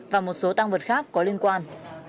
và một số tăng vật khác có liên quan